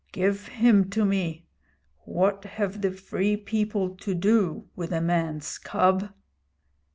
Give him to me. What have the Free People to do with a man's cub?'